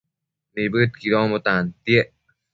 Nibëdquidonbo tantiec